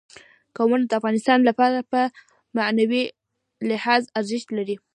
قومونه د افغانانو لپاره په معنوي لحاظ ارزښت لري.